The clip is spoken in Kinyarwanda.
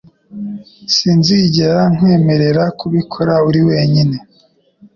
Sinzigera nkwemerera kubikora uri we nyine.